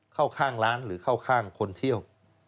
เข้าข้างร้านหรือเข้าข้างคนเที่ยว